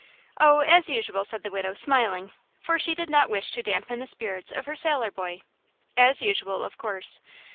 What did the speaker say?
"Oh, as usual," said the widow, smiling, for she did not wish to dampen the spirits of her sailor boy; "as usual, of course.